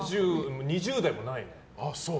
２０代もないね。